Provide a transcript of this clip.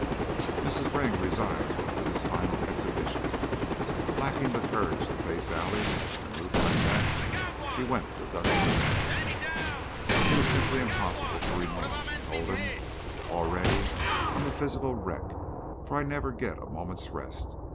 Mrs. Ring resigned after this final exhibition, but, lacking the courage to face Allie in a mood like that, she went to Gus Briskow. "It is simply impossible to remain," she told him. "Already I'm a physical wreck, for I never get a moment's rest.